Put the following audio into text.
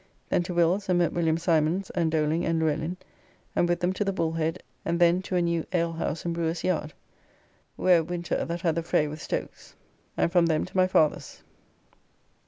Then to Will's and met William Symons and Doling and Luellin, and with them to the Bull head, and then to a new alehouse in Brewer's Yard, where Winter that had the fray with Stoakes, and from them to my father's.